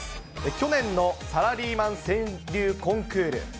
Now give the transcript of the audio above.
去年のサラリーマン川柳コンクール。